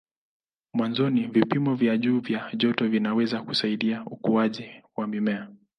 Mwanzoni vipimo vya juu vya joto vinaweza kusaidia ukuaji wa mimea.